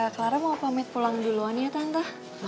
clara mau pamit pulang duluan ya tanta